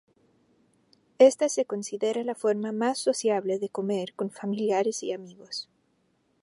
Esta se considera la forma más sociable de comer con familiares y amigos.